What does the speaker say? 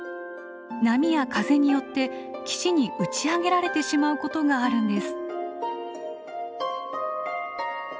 波や風によって岸に打ち上げられてしまうことがあるんです。